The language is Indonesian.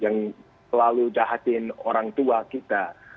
yang terlalu jahatkan orang tua kita